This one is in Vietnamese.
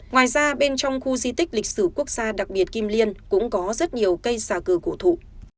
ngoài ra bên trong khu di tích lịch sử quốc gia đặc biệt kim liên cũng có rất nhiều cây xà cừ cổ thụ